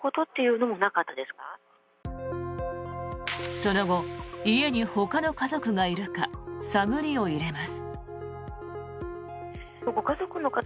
その後家にほかの家族がいるか探りを入れます。